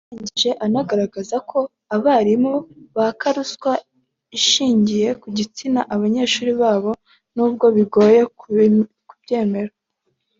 yarangije anagaragaza ko abarimu baka ruswa ishingiye ku gitsina abanyeshuri babo n’ubwo bigoye kubyemeza